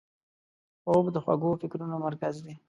خوب د خوږو فکرونو مرکز دی